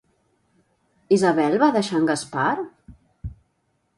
Isabel va deixar en Gaspar?